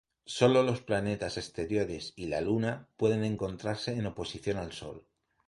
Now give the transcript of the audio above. Sólo los planetas exteriores y la Luna pueden encontrarse en oposición al Sol.